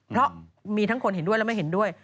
เพราะมีทั้งคนเห็นด้วยและไม่เห็นด้วย